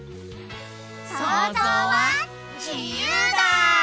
そうぞうはじゆうだ！